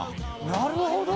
なるほど！